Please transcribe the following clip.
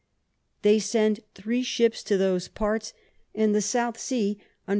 They sent three Ships to those parts and the South Sea, under M.